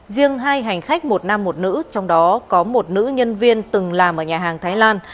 riêng hai hành khách một nam một nữ trong đó có một nữ nhân viên từng làm ở nhà hàng thái lan